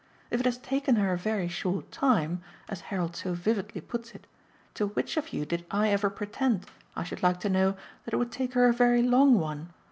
If it has taken her a very short time as Harold so vividly puts it to which of you did I ever pretend, I should like to know, that it would take her a very long one?